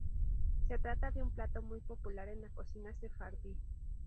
Se trata de un plato muy popular en la cocina sefardí.